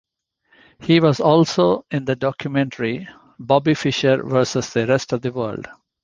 He was also in the documentary "Bobby Fischer versus the rest of the world".